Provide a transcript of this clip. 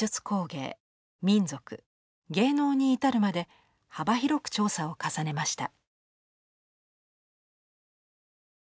芸能に至るまで幅広く調査を重ねました。